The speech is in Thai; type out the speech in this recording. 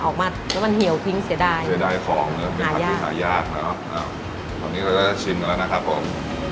ออกมาแล้วมันเหี่ยวทิ้งเสียดายเสียดายของเนอะหายากหายากเนอะตอนนี้เราจะชิมกันแล้วนะครับผม